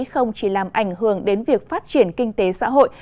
không chỉ làm ảnh hưởng đến việc phát triển kinh tế xã hội